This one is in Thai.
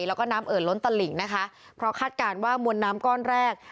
แล้วก็น้ำเอ่อล้นตลิ่งนะคะเพราะคาดการณ์ว่ามวลน้ำก้อนแรก